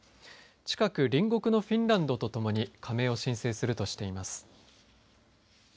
近く隣国のフィンランドとともに加盟を申請するとしています。